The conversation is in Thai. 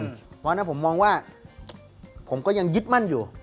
เพราะฉะนั้นผมมองว่าผมก็ยังยึดมั่นอยู่